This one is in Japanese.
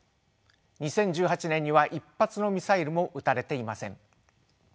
２０１８年には一発のミサイルも撃たれていません。